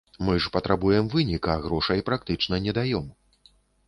Мы ж патрабуем вынік, а грошай практычна не даём.